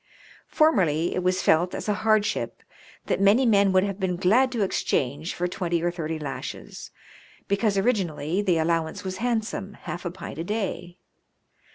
Formerly it was felt as a hardship that many men would have been glad to exchange for twenty or thirty lashes; because originally the allowance was handsome — half a pint a day.